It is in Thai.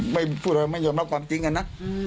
ผมถามเขาก็พูดปลายเบียงไม่ยอมรับความจริงอ่ะนะ